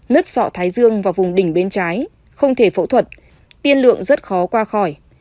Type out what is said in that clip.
nứt sọ thái dương và vùng đỉnh bên trái không thể phẫu thuật tiên lượng rất khó qua khỏi